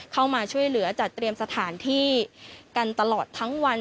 เข้ามาช่วยเหลือจัดเตรียมสถานที่กันตลอดทั้งวัน